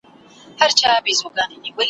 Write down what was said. یوه ورځ په ښکار یوازي وم وتلی ,